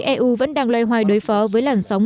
eu vẫn đang loay hoài đối phó với làng sóng